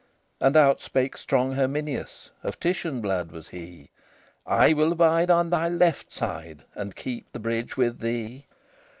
And out spake strong Herminius; Of Titian blood was he: "I will abide on thy left side, And keep the bridge with thee."